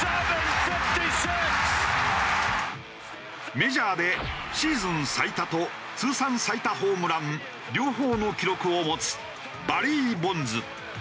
メジャーでシーズン最多と通算最多ホームラン両方の記録を持つバリー・ボンズ。